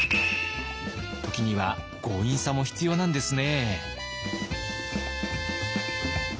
ときには強引さも必要なんですね。